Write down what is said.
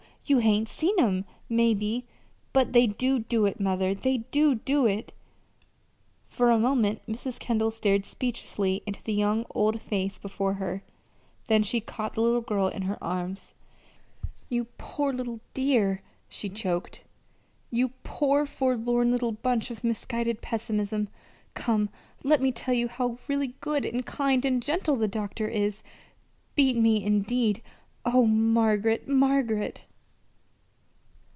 You hain't seen 'em, maybe; but they do do it, mother they do do it!" For a moment Mrs. Kendall stared speechlessly into the young old face before her; then she caught the little girl in her arms. "You poor little dear!" she choked. "You poor forlorn little bunch of misguided pessimism! Come, let me tell you how really good and kind and gentle the doctor is. Beat me, indeed! Oh, Margaret, Margaret!"